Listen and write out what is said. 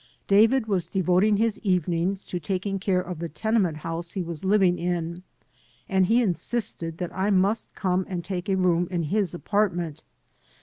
David was devoting his evenings to taking care of the tenement house he was living in, and he insisted that I must come and take a room in his apartment.